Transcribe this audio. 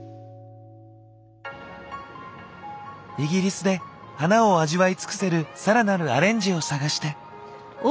イギリスで花を味わい尽くせる更なるアレンジを探して。